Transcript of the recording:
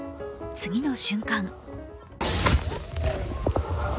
次の瞬間